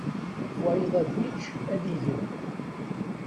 Wayeḍ ad yečč ad igen.